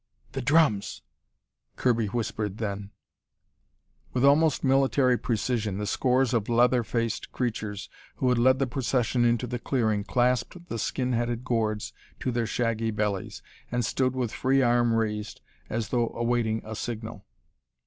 "The drums!" Kirby whispered then. With almost military precision, the scores of leather faced creatures who had led the procession into the clearing, clasped the skin headed gourds to their shaggy bellies, and stood with free arm raised as though awaiting a signal.